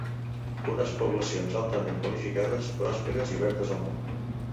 Unes poblacions altament qualificades, pròsperes i obertes al món.